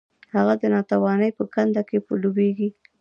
هغه د ناتوانۍ په کنده کې ډوبیږي.